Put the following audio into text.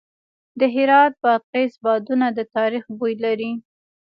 د هرات بادغیس بادونه د تاریخ بوی لري.